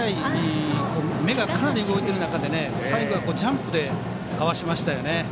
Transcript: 目がかなり動いている中で最後はジャンプでかわしました。